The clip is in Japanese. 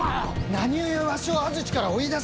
何故わしを安土から追い出す！